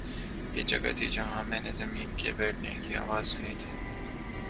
”یہ جگہ تھی، جہاں میں نے زمین کے پھٹنے کی آواز سنی تھی